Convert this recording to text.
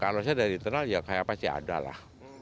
kalau saya dari internal ya kayak pasti ada lah